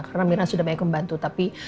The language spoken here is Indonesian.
karena mirna sudah banyak membantu tapi